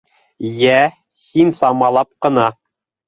— Йә, һин самалап ҡына.